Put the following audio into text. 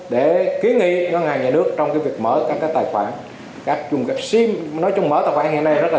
để ký nghị ngân hàng nhà nước trong việc mở các tài khoản nói chung mở tài khoản hiện nay rất là